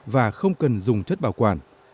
và không cần dùng chất bảo quản